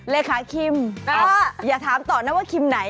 เลขาคิมอย่าถามต่อนะว่าคิมไหน